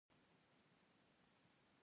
ایا زه باید سنډویچ وخورم؟